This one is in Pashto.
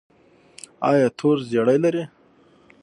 ایا تور زیړی لرئ؟